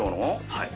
はい。